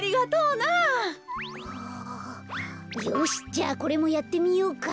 よしじゃあこれもやってみようか。